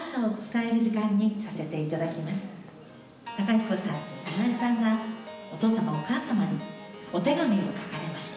公彦さんと早苗さんがお父様お母様にお手紙を書かれました。